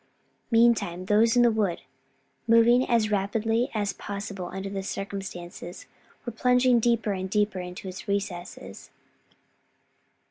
Meantime those in the wood, moving as rapidly as possible under the circumstances, were plunging deeper and deeper into its recesses.